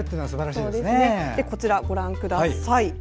こちらをご覧ください。